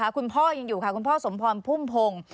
คุณพ่อยังอยู่ค่ะคุณพ่อสมพรพุ่มพงศ์